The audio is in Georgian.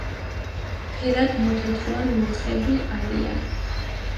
ფერად მოთეთრო ან რუხები არიან.